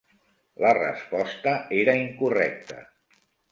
La resposta era incorrecta.